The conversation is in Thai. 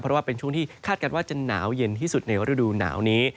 เพราะว่าเป็นช่วงที่คาดการณ์ว่าจะหนาวเย็นที่สุดในฤดูหนาวนี้